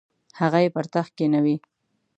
هغه یې پر تخت کښینوي.